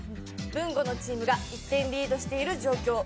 文吾のチームが１点リードしている状況。